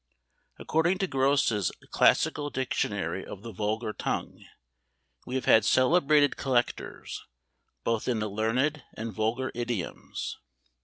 According to Grose's "Classical Dictionary of the Vulgar Tongue," we have had celebrated collectors, both in the learned and vulgar idioms.